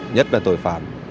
nhất là tội phạm